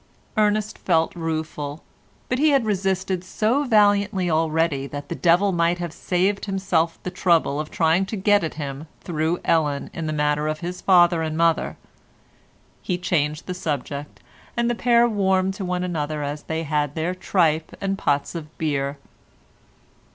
Ernest felt rueful, but he had resisted so valiantly already that the devil might have saved himself the trouble of trying to get at him through Ellen in the matter of his father and mother. He changed the subject, and the pair warmed to one another as they had their tripe and pots of beer.